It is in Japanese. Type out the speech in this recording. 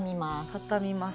畳みます。